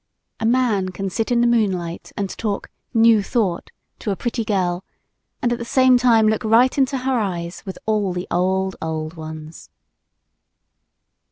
A man can sit in the moonlight and talk "New Thought" to a pretty girl and at the same time look right into her eyes with all the old, old ones.